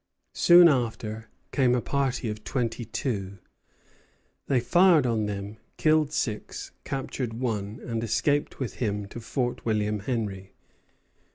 Soon after came a party of twenty two. They fired on them, killed six, captured one, and escaped with him to Fort William Henry.